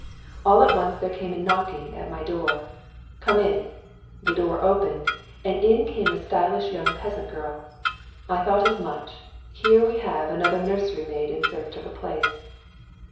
All at once there came a knocking at my door "Come in!" The door opened, and in came a stylish young peasant girl. I thought as much; here we have another nursery maid in search of a place.